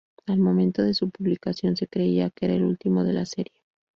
Al momento de su publicación, se creía que era el último de la serie.